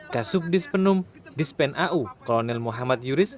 kasub dispenum dispen au kolonel muhammad yuris